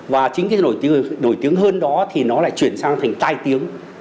và chính cái nổi tiếng hơn đó thì nó lại chuyển sang thành tai tiếng